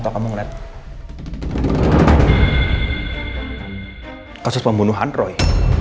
kasus pembunuhan roy